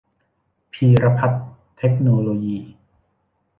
พีรพัฒน์ เทคโนโลยี